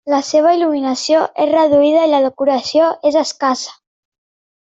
La seua il·luminació és reduïda i la decoració és escassa.